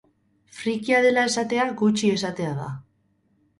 Frikia dela esatea gutxi esatea da.